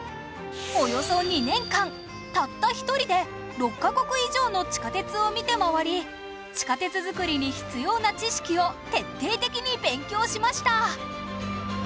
およそ２年間たった一人で６カ国以上の地下鉄を見て回り地下鉄づくりに必要な知識を徹底的に勉強しました